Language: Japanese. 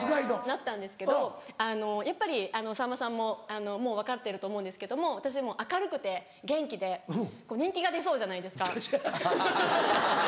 なったんですけどやっぱりさんまさんももう分かってると思うんですけども私もう明るくて元気で人気が出そうじゃないですか。